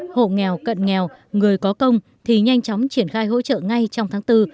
hộ nghèo cận nghèo người có công thì nhanh chóng triển khai hỗ trợ ngay trong tháng bốn